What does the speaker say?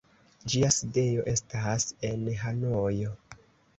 Ĝia sidejo estas en Hanojo.